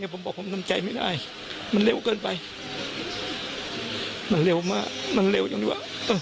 ผมบอกผมทำใจไม่ได้มันเร็วเกินไปมันเร็วมากมันเร็วจังวะ